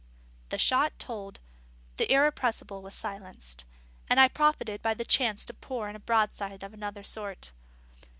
The shot told; the Irrepressible was silenced; and I profited by the chance to pour in a broadside of another sort.